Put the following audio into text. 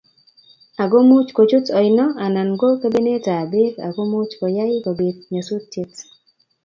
ago muuch kochut oino anan go kebenetab beek ago muuch koyaii kobiit nyasusiet